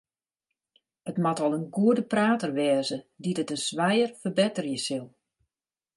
It moat al in goede prater wêze dy't it in swijer ferbetterje sil.